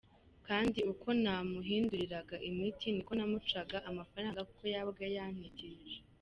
Kandi uko namuhinduriraga imiti niko namucaga amafaranga kuko yabaga yantitirije.